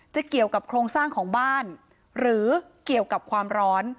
เกี่ยวกับโครงสร้างของบ้านหรือเกี่ยวกับความร้อน